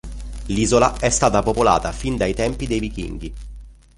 L'isola è stata popolata fin dai tempi dei vichinghi.